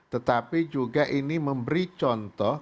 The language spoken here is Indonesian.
tetapi juga ini memberi contoh